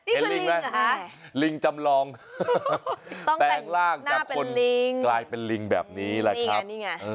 ลิงไหมลิงจำลองแปลงร่างจากคนลิงกลายเป็นลิงแบบนี้แหละครับ